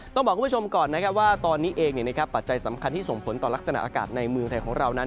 ต้องบอกคุณผู้ชมก่อนนะครับว่าตอนนี้เองปัจจัยสำคัญที่ส่งผลต่อลักษณะอากาศในเมืองไทยของเรานั้น